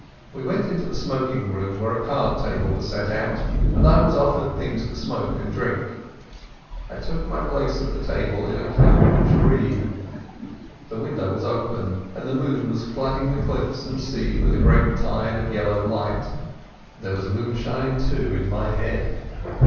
We went into the smoking room where a card table was set out, and I was offered things to smoke and drink. I took my place at the table in a kind of dream. The window was open and the moon was flooding the cliffs and sea with a great tide of yellow light. There was moonshine, too, in my head.